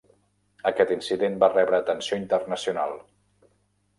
Aquest incident va rebre atenció internacional.